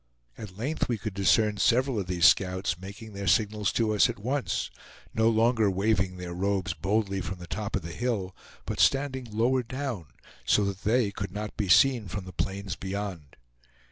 At length we could discern several of these scouts making their signals to us at once; no longer waving their robes boldly from the top of the hill, but standing lower down, so that they could not be seen from the plains beyond.